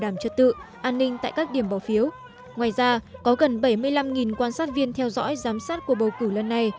nhiều nghìn quan sát viên theo dõi giám sát cuộc bầu cử lần này